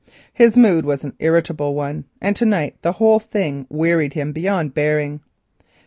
His mood was an irritable one, and to night the whole thing wearied him beyond bearing.